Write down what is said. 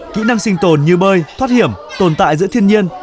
kỹ năng sinh tồn như bơi thoát hiểm tồn tại giữa thiên nhiên